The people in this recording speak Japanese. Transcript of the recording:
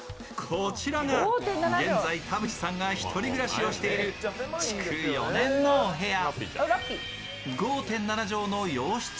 こちらが現在田渕さんがひとり暮らしをしている築４年のお部屋。